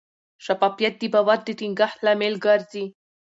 شفافیت د باور د ټینګښت لامل ګرځي.